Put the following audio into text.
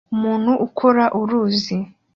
Umuntu ukora uruzi